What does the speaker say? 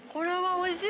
おいしい。